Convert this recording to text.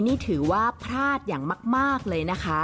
นี่ถือว่าพลาดอย่างมากเลยนะคะ